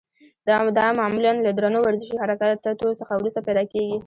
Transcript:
دا معمولا له درنو ورزشي حرکاتو څخه وروسته پیدا کېږي.